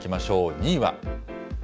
２位は。